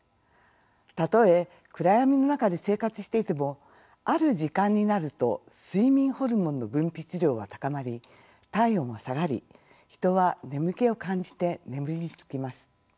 たとえ暗やみの中で生活していてもある時間になると睡眠ホルモンの分泌量は高まり体温は下がり人は眠気を感じて眠りにつきます。